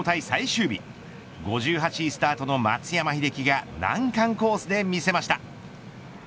最終日５８位スタートの松山英樹が難関コースで見せました。